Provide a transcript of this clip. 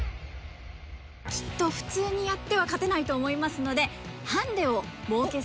きっと普通にやっては勝てないと思いますので何？